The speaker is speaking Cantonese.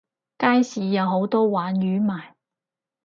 街市有好多鯇魚賣